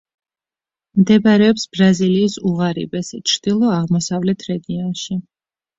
მდებარეობს ბრაზილიის უღარიბეს, ჩრდილო-აღმოსავლეთ რეგიონში.